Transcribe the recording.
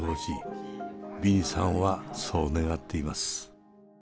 ビニさんはそう願っています。